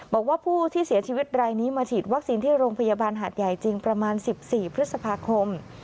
บอกว่าผู้ที่เสียชีวิตรายนี้มาฉีดวัคซีนที่โรงพยาบาลหาดใหญ่จริงประมาณ๑๔พฤษภาคม